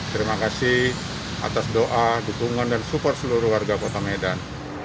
terima kasih atas doa dukungan dan support seluruh warga kota medan